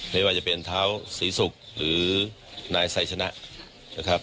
ไม่ว่าจะเป็นเท้าศรีศุกร์หรือนายไซชนะนะครับ